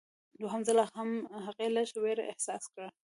دوهم ځل هغې لږ ویره احساس کړه.